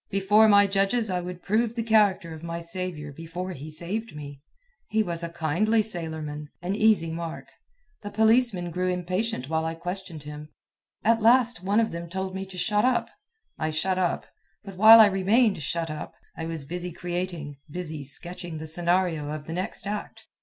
Before my judges I would prove the character of my savior before he saved me. He was a kindly sailorman an "easy mark." The policemen grew impatient while I questioned him. At last one of them told me to shut up. I shut up; but while I remained shut up, I was busy creating, busy sketching the scenario of the next act.